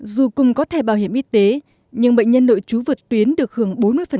dù cùng có thẻ bảo hiểm y tế nhưng bệnh nhân nội trú vượt tuyến được hưởng bốn mươi